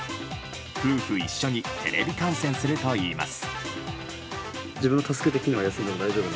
夫婦一緒にテレビ観戦するといいます。